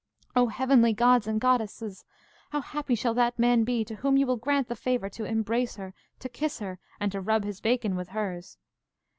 O heavenly gods and goddesses! How happy shall that man be to whom you will grant the favour to embrace her, to kiss her, and to rub his bacon with hers!